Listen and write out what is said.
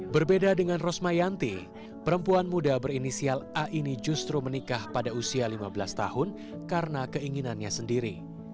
berbeda dengan rosmayanti perempuan muda berinisial a ini justru menikah pada usia lima belas tahun karena keinginannya sendiri